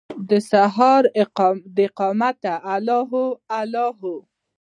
دسهار داقامته الله هو، الله هو